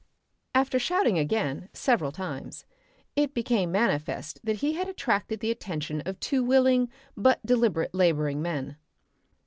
After shouting again, several times, it became manifest that he had attracted the attention of two willing but deliberate labouring men.